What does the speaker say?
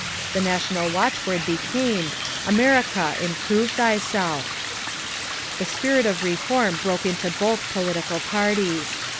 The national watchword became: "America, Improve Thyself." The spirit of reform broke into both political parties.